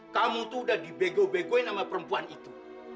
kamu tuh udah dibego begoin sama perempuan itu